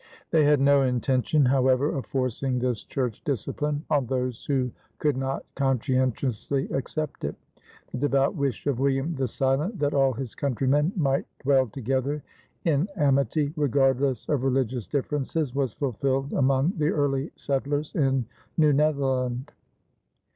They had no intention, however, of forcing this church discipline on those who could not conscientiously accept it. The devout wish of William the Silent that all his countrymen might dwell together in amity regardless of religious differences was fulfilled among the early settlers in New Netherland.